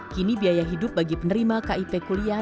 kini biaya hidup bagi penerima kip kuliah